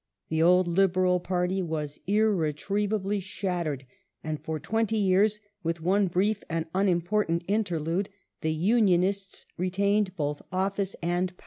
The old Liberal Party was iiTetrievably shattered, and for twenty yeare — with one brief and unimportant interlude — the Unionists re tained both office and power.